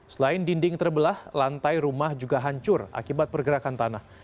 selain dinding terbelah lantai rumah juga hancur akibat pergerakan tanah